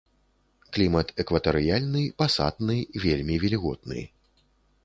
Клімат экватарыяльны пасатны, вельмі вільготны.